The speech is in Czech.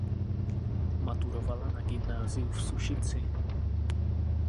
Maturovala na gymnáziu v Sušici.